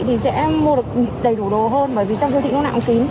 thì sẽ mua được đầy đủ đồ hơn bởi vì trong siêu thị nó nặng kín